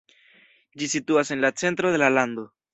Ĝi situas en la centro de la lando.